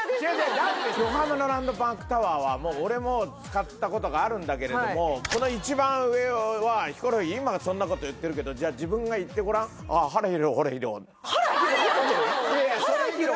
だって横浜のランドマークタワーは俺も使ったことがあるんだけれどもこの一番上はヒコロヒー今はそんなこと言ってるけどじゃあ自分が行ってごらんはれひろほれひろ？